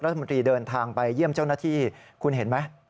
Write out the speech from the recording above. เดินทางไปเยี่ยมเจ้าหน้าที่คุณเห็นไหม